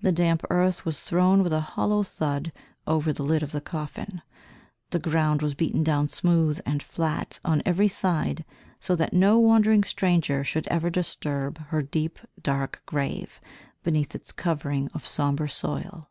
The damp earth was thrown with a hollow thud over the lid of the coffin, the ground was beaten down smooth and flat on every side, so that no wandering stranger should ever disturb her deep dark grave beneath its covering of sombre soil.